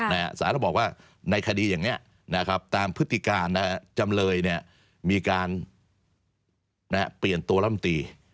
สารก็บอกว่าในคดีอย่างนี้นะครับตามพฤติการจำเลยมีการเปลี่ยนตัวลำตี